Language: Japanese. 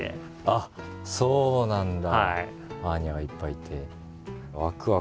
あっそうなんだ。